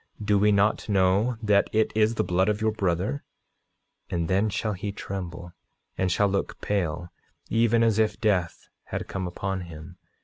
Do we not know that it is the blood of your brother? 9:33 And then shall he tremble, and shall look pale, even as if death had come upon him.